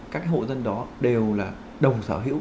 các hộ dân đó đều là đồng sở hữu